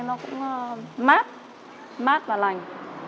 nó cũng mát mát và lành